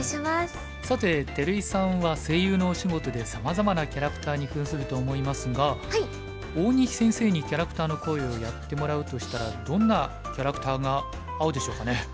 さて照井さんは声優のお仕事でさまざまなキャラクターにふんすると思いますが大西先生にキャラクターの声をやってもらうとしたらどんなキャラクターが合うでしょうかね。